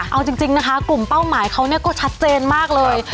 เอาจริงนะคะกลุ่มเป้าหมายเขาก็ชัดเจนมากเลย